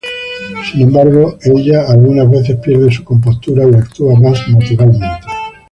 Sin embargo, ella algunas veces pierde su compostura y actúa más naturalmente.